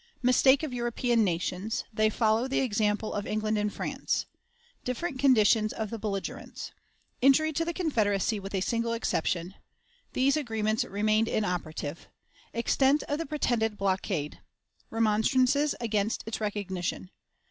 Mistake of European Nations; they follow the Example of England and France. Different Conditions of the Belligerents. Injury to the Confederacy with a Single Exception. These Agreements remained inoperative. Extent of the Pretended Blockade. Remonstrances against its Recognition.